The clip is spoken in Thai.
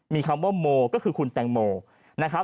มีคำว่าโมก็คือคุณแตงโมนะครับ